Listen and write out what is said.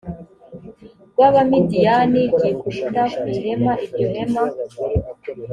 rw abamidiyani ryikubita ku ihema iryo hema